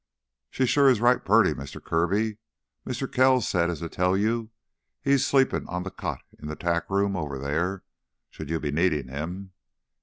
"She sure is right purty, Mister Kirby. Mister Kells said as to tell you he's sleepin' on a cot in th' tack room over there, should you be needin' him."